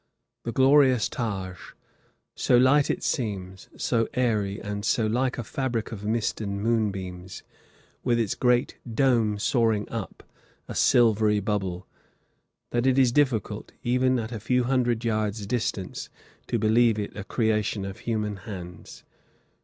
The glorious Taj: "So light it seems, so airy, and so like a fabric of mist and moonbeams, with its great dome soaring up, a silvery bubble," that it is difficult, even at a few hundred yards' distance, to believe it a creation of human hands.